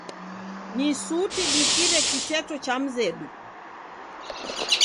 Ni suti dikire kiteto cha mzedu.